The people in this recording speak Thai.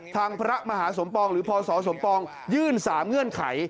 พระมหาสมปองหรือพศสมปองยื่น๓เงื่อนไข